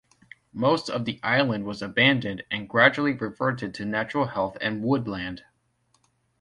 Most of the island was abandoned and gradually reverted to natural heath and woodland.